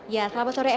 ya selamat sore